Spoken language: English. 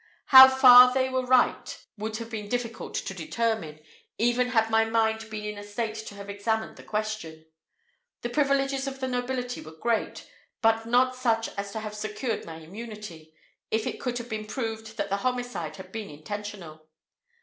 How far they were right would have been difficult to determine, even had my mind been in a state to have examined the question. The privileges of the nobility were great, but not such as to have secured my immunity, if it could have been proved that the homicide had been intentional.